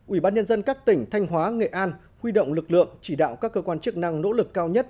ủy ban nhân dân các tỉnh thanh hóa nghệ an huy động lực lượng chỉ đạo các cơ quan chức năng nỗ lực cao nhất